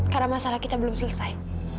karena masalah kita belum selesai